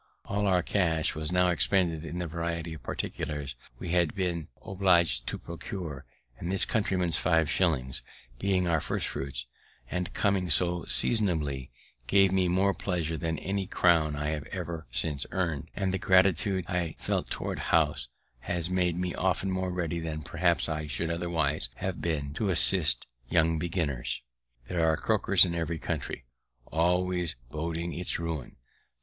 All our cash was now expended in the variety of particulars we had been obliged to procure, and this countryman's five shillings, being our first fruits, and coming so seasonably, gave me more pleasure than any crown I have since earned; and the gratitude I felt toward House has made me often more ready than perhaps I should otherwise have been to assist young beginners. There are croakers in every country, always boding its ruin.